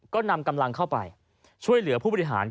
ก็นำกำลังเข้าไปช่วยเหลือผู้บริหาร